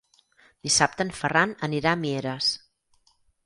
Dissabte en Ferran anirà a Mieres.